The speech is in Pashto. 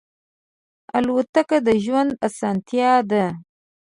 الوتکه د ژوند آسانتیا ده.